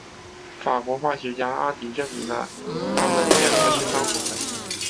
法国化学家阿迪证明了它们两个是相同的。